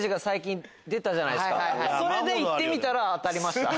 それでいってみたら当たりました。